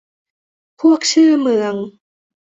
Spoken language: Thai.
พวกชื่อเมือง